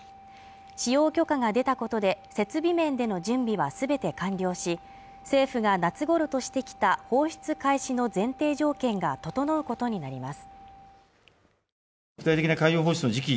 使用許可が出たことで、設備面での準備は全て完了し、政府が夏ごろとしてきた放出開始の前提条件が整うことになります。